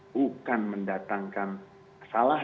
bukan mendatangkan masalah